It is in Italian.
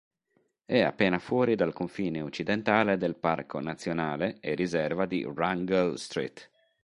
È appena fuori dal confine occidentale del Parco nazionale e riserva di Wrangell-St.